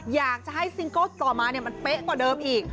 อยากจะให้ซิงเกิลต่อมามันเป๊ะกว่าเดิมอีก